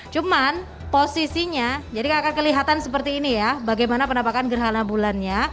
cuman posisinya jadi akan kelihatan seperti ini ya bagaimana penampakan gerhana bulannya